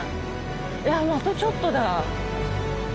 いやもうあとちょっとだ。